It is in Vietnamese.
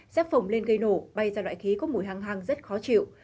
xếp phồng lên gây nổ bay ra loại khí có mùi hang hang rất khó chịu